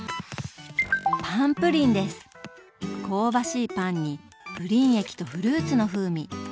香ばしいパンにプリン液とフルーツの風味。